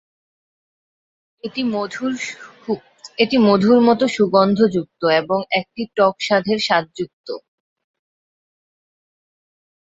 এটি মধুর মতো সুগন্ধযুক্ত এবং একটি টক স্বাদের স্বাদযুক্ত।